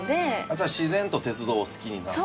じゃあ自然と鉄道を好きになってきて。